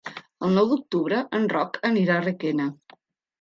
El nou d'octubre en Roc anirà a Requena.